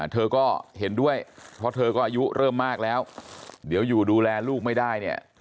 เธอก็เห็นด้วยเพราะเธอก็อายุเริ่มมากแล้วเดี๋ยวอยู่ดูแลลูกไม่ได้เนี่ย